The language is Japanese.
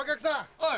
はい。